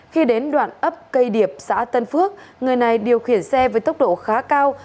khi đến đoạn ấp cây điệp xã tân phước người này điều khiển xe với tốc độ khá cao